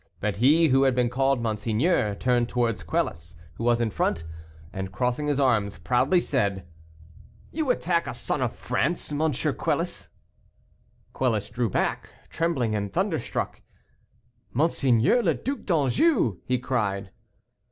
But he who had been called monseigneur turned towards Quelus, who was in front, and crossing his arms proudly, said: "You attack a son of France, M. Quelus!" Quelus drew back, trembling, and thunderstruck. "Monseigneur le Duc d'Anjou!" he cried.